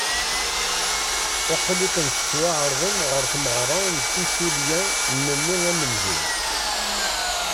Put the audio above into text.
Aql-iken tettwaɛerḍem ɣer tmeɣra n tissulya n mmi amenzu.